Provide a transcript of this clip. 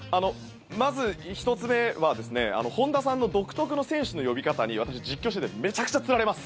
まず１つ目は本田さんの独特の選手の呼び方に私、実況しててめちゃくちゃつられます。